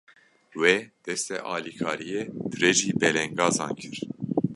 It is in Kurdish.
Wê, destê alîkariyê dirêjî belengazan kir.